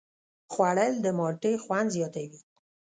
خوړل د مالټې خوند زیاتوي